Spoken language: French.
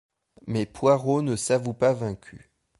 Mais Poirot ne s'avoue pas vaincu.